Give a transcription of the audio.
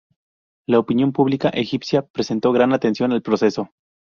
La opinión pública egipcia prestó gran atención al proceso.